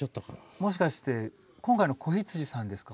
もしかして今回の子羊さんですか？